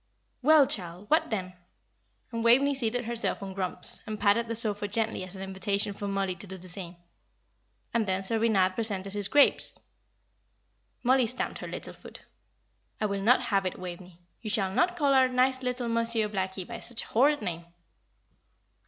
"Well, child, what then?" and Waveney seated herself on Grumps, and patted the sofa gently as an invitation for Mollie to do the same. "And then Sir Reynard presented his grapes." Mollie stamped her little foot. "I will not have it, Waveney. You shall not call our nice little Monsieur Blackie by such a horrid name.